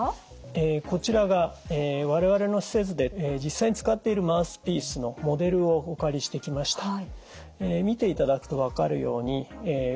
こちらが我々の施設で実際に使っているマウスピースのモデルをお借りしてきました。